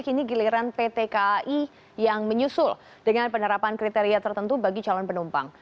kini giliran pt kai yang menyusul dengan penerapan kriteria tertentu bagi calon penumpang